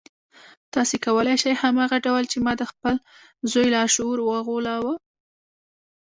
تاسې کولای شئ هماغه ډول چې ما د خپل زوی لاشعور وغولاوه.